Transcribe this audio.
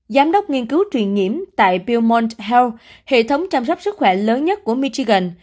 giám đốc nghiên cứu truyền nhiễm tại belmont health hệ thống chăm sóc sức khỏe lớn nhất của michigan